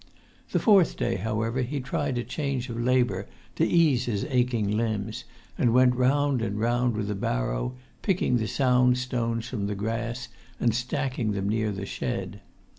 The fourth day, however, he tried a change of labour to ease his aching limbs, and went round and round with a barrow, picking the sound stones from the grass, and stacking them near the shed.